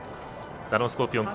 ダノンスコーピオン